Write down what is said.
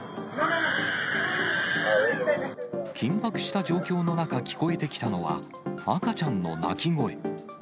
緊迫した状況の中聞こえてきたのは、赤ちゃんの泣き声。